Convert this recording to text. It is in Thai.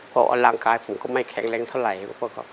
เพราะร่างกายผมก็ไม่แข็งแรงเท่าไหร่